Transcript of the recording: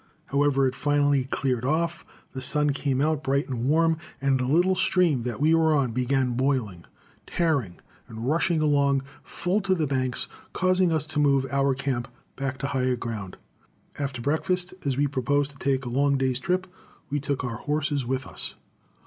However, it finally cleared off, the sun came out bright and warm, and the little stream that we were on began boiling, tearing, and rushing along, full to the banks, causing us to move our camp back to higher ground. After breakfast, as we proposed to take a long day's trip, we took our horses with us.